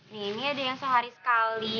nih ini ada yang sehari sekali